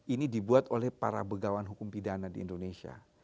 ini dibuat oleh para begawan hukum pidana di indonesia